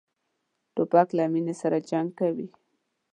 توپک له مینې سره جنګ کوي.